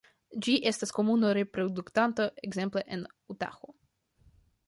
Ĝi estas komuna reproduktanto ekzemple en Utaho.